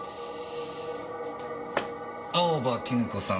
青葉絹子さん。